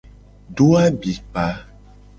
Do abikpa.